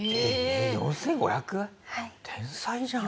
天才じゃん。